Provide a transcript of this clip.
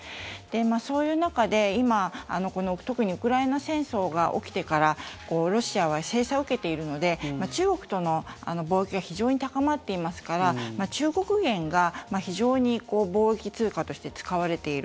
そういう中で今特にウクライナ戦争が起きてからロシアは制裁を受けているので中国との貿易が非常に高まっていますから中国元が非常に貿易通貨として使われている。